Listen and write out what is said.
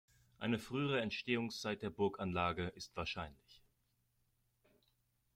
Eine frühere Entstehungszeit der Burganlage ist wahrscheinlich.